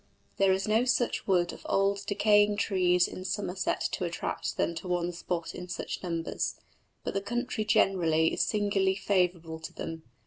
There is no such wood of old decaying trees in Somerset to attract them to one spot in such numbers, but the country generally is singularly favourable to them.